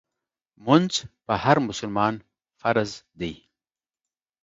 مونځ په هر مسلمان فرض دی